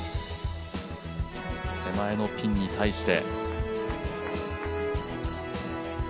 手前のピンに対して。